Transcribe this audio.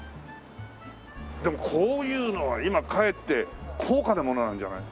でもこういうのは今かえって高価なものなんじゃない？